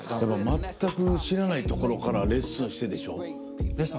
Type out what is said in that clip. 全く知らないところからレッスンしてでしょ？